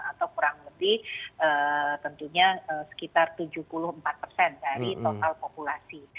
atau kurang lebih tentunya sekitar tujuh puluh empat persen dari total populasi